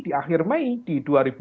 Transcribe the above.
di akhir mei di